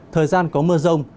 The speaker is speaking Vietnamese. thời gian có mưa rông